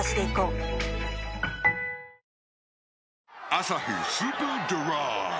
「アサヒスーパードライ」